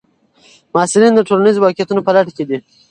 محصلین د ټولنیزو واقعیتونو په لټه کې دي.